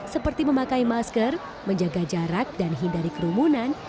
seperti memakai masker menjaga jarak dan hindari kerumunan